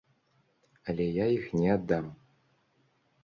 Але я іх не аддам.